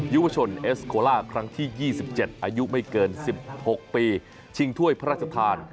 ยุวชนเอสโคล่าครั้งที่๒๗อายุไม่เกิน๑๖ปีชิงถ้วยพระราชทาน